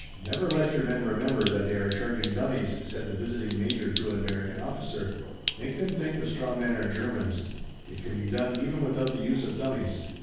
"Never let your men remember that they are charging dummies," said the visiting major to an American officer. "Make them think the straw men are Germans. It can be done even without the use of dummies.